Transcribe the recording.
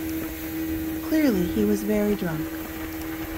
Clearly he was very drunk.